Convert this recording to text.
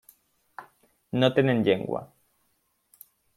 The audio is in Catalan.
No tenen llengua.